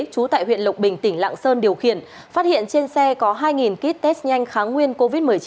trú tại huyện lộc bình tỉnh lạng sơn điều khiển phát hiện trên xe có hai kit test nhanh kháng nguyên covid một mươi chín